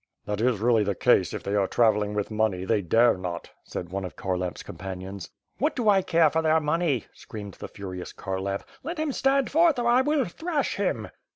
"That is really the case, if they are travelling with money; they dare not," said one of Kharlamp's companions. "What do I care for their money?" screamed the furious Kharlamp. "Let him stand forth or I will thrash him."